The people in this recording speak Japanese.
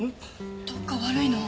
どっか悪いの？